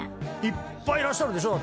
いっぱいいらっしゃるでしょ。